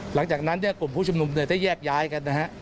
หลังจากนั้นเนี่ยกลุ่มผู้ชมนุมได้แยกย้ายอ่ะ